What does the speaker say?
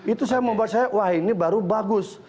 itu saya membuat saya wah ini baru bagus